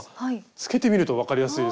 つけてみると分かりやすいですよね。